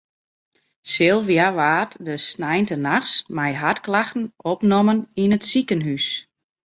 Sylvia waard de sneintenachts mei hartklachten opnommen yn it sikehûs.